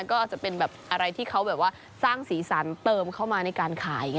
ก็อาจจะเป็นแบบอะไรที่เขาแบบว่าสร้างสีสันเติมเข้ามาในการขาย